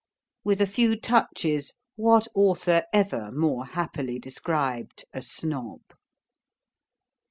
With a few touches, what author ever more happily described A Snob?